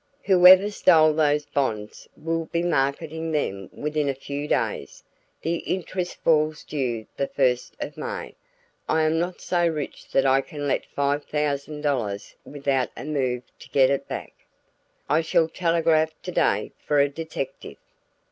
"Whoever stole those bonds will be marketing them within a few days; the interest falls due the first of May. I am not so rich that I can let five thousand dollars go without a move to get it back. I shall telegraph today for a detective."